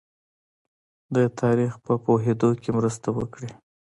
د تاریخ په پوهېدو کې مرسته وکړي.